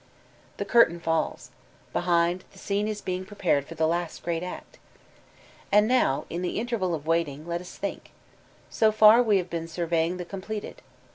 The curtain falls. Behind, the scene is being prepared for the last great act ! And now, in the interval of waiting, let us IliinE. So far we have been surveying the completed.